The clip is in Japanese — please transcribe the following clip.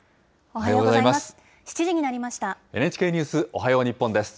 おはようございます。